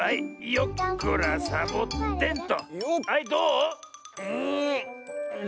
よっこらサボテンと。